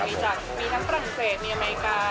มีทั้งฝรั่งเศสมีอเมริกา